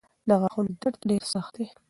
د غاښونو درد ډېر سخت وي.